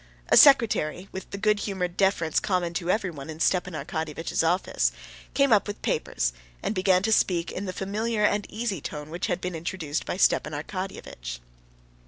A secretary, with the good humored deference common to everyone in Stepan Arkadyevitch's office, came up with papers, and began to speak in the familiar and easy tone which had been introduced by Stepan Arkadyevitch.